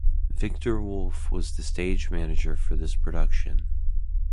Victor Woolf was the stage manager for this production.